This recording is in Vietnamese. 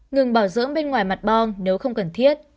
ngừng bảo dưỡng bên ngoài mặt bon nếu không cần thiết